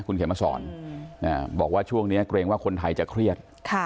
คุณเขมสอนบอกว่าช่วงนี้เกรงว่าคนไทยจะเครียด